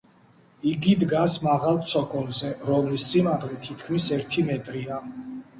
იგი დგას მაღალ ცოკოლზე, რომლის სიმაღლე თითქმის ერთი მეტრია.